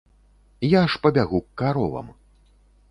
Я ж пабягу к каровам.